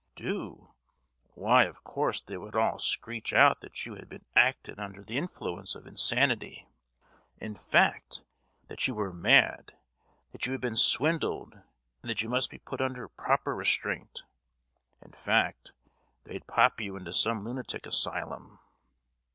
"Do? Why, of course, they would all screech out that you had acted under the influence of insanity: in fact, that you were mad; that you had been swindled, and that you must be put under proper restraint. In fact, they'd pop you into some lunatic asylum."